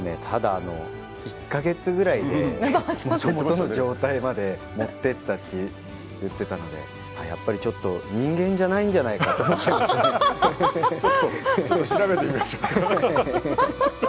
ただ１か月ぐらいでもともとの状態までもっていったって言っていたのでやっぱりちょっと人間じゃないんじゃないか調べてみましょう。